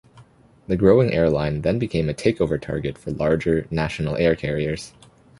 The growing airline then became a takeover target for larger, national air carriers.